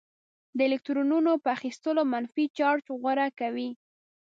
د الکترونونو په اخیستلو منفي چارج غوره کوي.